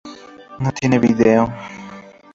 No tiene video.